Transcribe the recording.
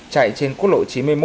chạy trên quốc lộ chín mươi một